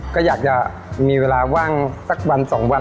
ก็อยากจะมีเวลาว่างสักวัน๒วัน